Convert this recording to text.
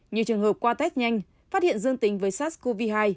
nhiều trường hợp qua test nhanh phát hiện dương tính với sars cov hai